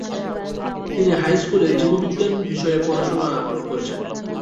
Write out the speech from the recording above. তিনি হাইস্কুলে জীববিজ্ঞান বিষয়ে পড়াশুনা করেছেন।